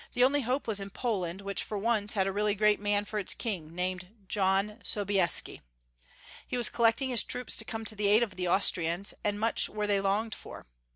only hope was in Poland, which for once had a really great man for its King, named John Sobieski. He was collecting his troops to come to the aid of the Austrians, and much were they longed for.